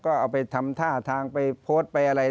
ก็เอาไปทำท่าทางไปโพสต์ไปอะไร